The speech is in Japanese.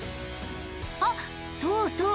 あっそうそう。